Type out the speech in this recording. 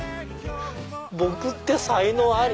僕って才能あり？